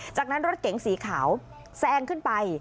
จากนั้นรถเก๋งสีขาวแซงขึ้นไป